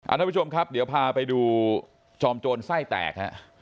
ทุกผู้ชมครับเดี๋ยวพาไปดูจอมโจรไส้แตกฮะ